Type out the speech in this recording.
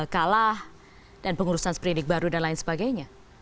kalah dan pengurusan seperindik baru dan lain sebagainya